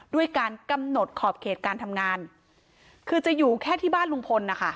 ด้วยการกำหนดขอบเขตการทำงานคือจะอยู่แค่ที่บ้านลุงพลนะคะ